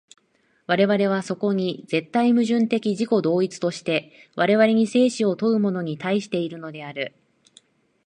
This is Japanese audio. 我々はそこに絶対矛盾的自己同一として、我々に生死を問うものに対しているのである。